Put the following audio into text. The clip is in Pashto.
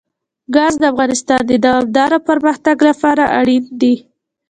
ګاز د افغانستان د دوامداره پرمختګ لپاره اړین دي.